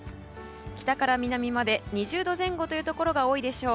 北から南まで２０度前後というところが多いでしょう。